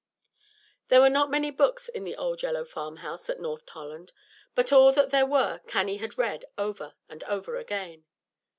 There were not many books in the old yellow farm house at North Tolland; but all that there were Cannie had read over and over again.